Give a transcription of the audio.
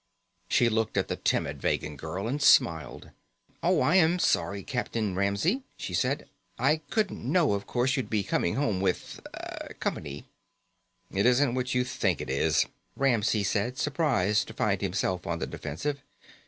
She looked at the timid Vegan girl and smiled. "Oh, I am sorry, Captain Ramsey," she said. "I couldn't know, of course, you'd be coming home with company." "It isn't what you think it is," Ramsey said, surprised to find himself on the defensive.